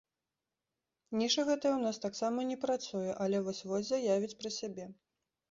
Ніша гэтая ў нас таксама не працуе, але вось-вось заявіць пра сябе.